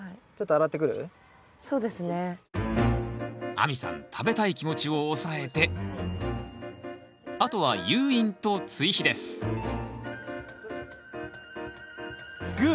亜美さん食べたい気持ちを抑えてあとは誘引と追肥ですグー！